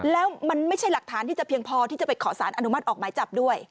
แล้วมันไม่ใช่หลักฐานที่จะเพียงพอที่จะไปขอสารอนุมัติออกหมายจับด้วย